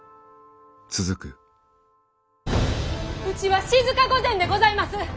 うちは静御前でございます！